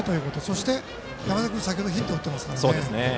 そして、山根君は先程ヒットを打っていますから。